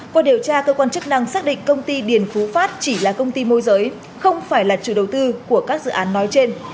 qua điều tra cơ quan chức năng xác định công ty điền phú phát chỉ là công ty môi giới không phải là chủ đầu tư của các dự án nói trên